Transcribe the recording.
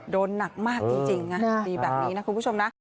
โดนหนักมากจริงนะคุณผู้ชมนะ